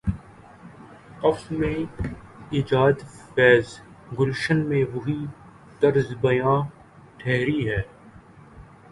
قفس میں ایجادفیض، گلشن میں وہی طرز بیاں ٹھہری ہے۔